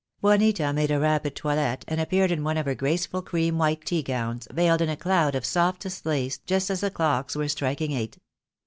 Juanita made a rapid toilet, and appeared in one of her graceful cream white tea gowns, veiled in a cloud of softest lace, just as the clocks were striking eight.